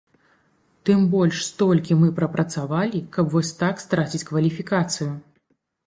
Тым больш столькі мы прапрацавалі, каб вось так страціць кваліфікацыю.